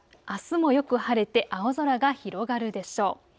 あすもよく晴れて青空が広がるでしょう。